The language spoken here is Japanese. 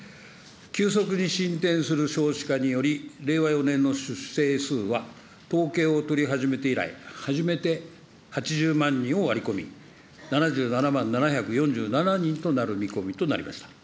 急速に進展する少子化により、令和４年の出生数は統計を取り始めて以来、初めて８０万人を割り込み、７７万７４７人となる見込みとなりました。